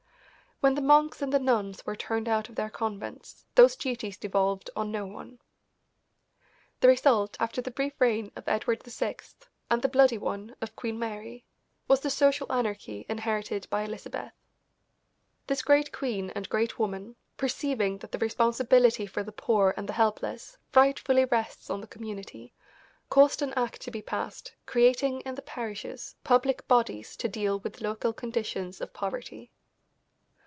When the monks and the nuns were turned out of their convents these duties devolved on no one. The result, after the brief reign of Edward VI and the bloody one of Queen Mary, was the social anarchy inherited by Elizabeth. This great queen and great woman, perceiving that the responsibility for the poor and the helpless rightfully rests on the community, caused an act to be passed creating in the parishes public bodies to deal with local conditions of poverty.